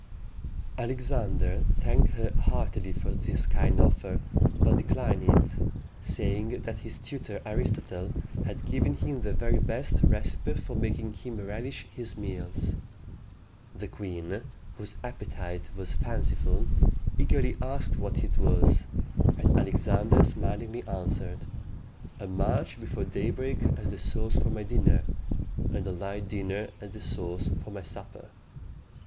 Alexander thanked her heartily for this kind offer, but declined it, saying that his tutor Aristotle had given him the very best recipe for making him relish his meals. The queen, whose appetite was fanciful, eagerly asked what it was; and Alexander smilingly answered, "A march before daybreak as the sauce for my dinner, and a light dinner as the sauce for my supper."